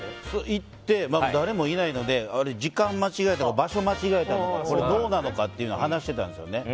行って、誰もいないので時間間違えたとか場所間違えたとかどうなのかって話してたんですよね。